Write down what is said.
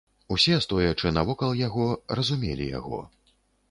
Усе, стоячы навокал яго, разумелі яго.